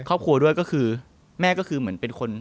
ครอบครัวด้วยก็คือแม่ก็คือเหมือนเป็นคน